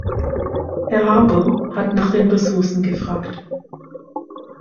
Herr Harbour hat nach den Ressourcen gefragt.